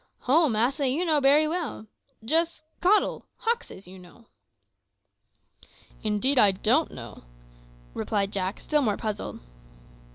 "Ho, massa, you know bery well; jist cottle hoxes, you know." "Indeed, I don't know," replied Jack, still more puzzled.